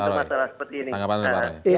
untuk masalah seperti ini